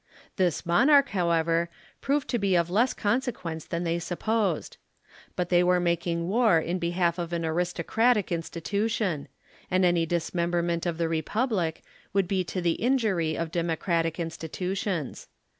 This monarch, however, proved to be of less consequence than they supposed. Bat the} were making war in behalf of an aristocratic institution; and any disnienibermcnt of the Republic, would be to the injury of Democratic insti tutions.